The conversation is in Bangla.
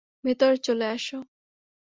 ভেতরে চলে আসো!